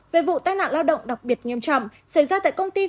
về vụ tai nạn lao động đặc biệt nghiêm trọng xảy ra tại công ty